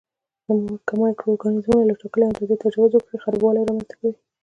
که مایکرو ارګانیزمونه له ټاکلي اندازې تجاوز وکړي خرابوالی رامینځته کوي.